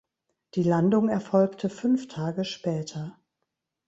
Die Landung erfolgte fünf Tage später.